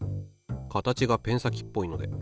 形がペン先っぽいので。